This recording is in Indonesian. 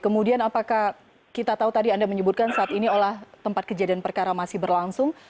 kemudian apakah kita tahu tadi anda menyebutkan saat ini olah tempat kejadian perkara masih berlangsung